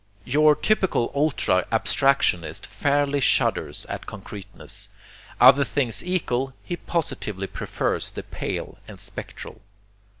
Your typical ultra abstractionist fairly shudders at concreteness: other things equal, he positively prefers the pale and spectral.